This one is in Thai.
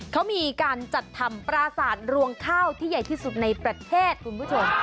เขามีการจัดทำปราสาทรวงข้าวที่ใหญ่ที่สุดในประเทศคุณผู้ชม